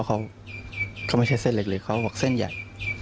เขาก็ไม่ใช่เส้นเล็กเลยเขาบอกเส้นใหญ่